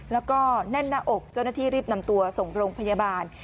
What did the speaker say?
แล้วก็แน่นหน้าอกเจ้าหน้าที่รีบนำตัวส่งโรงพยาบาล